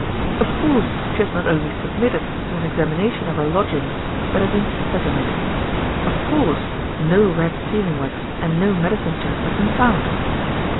Of course, she has not only submitted to an examination of her lodgings, but has insisted on it. Of course, no red sealing wax and no medicine chest have been found.